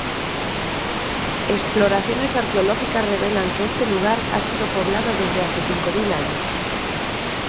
Exploraciones arqueológicas revelan que este lugar ha sido poblado desde hace cinco mil años.